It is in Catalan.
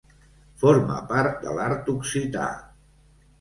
Forma part de l'art occità.